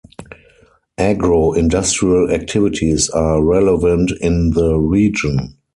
Agro-industrial activities are relevant in the region.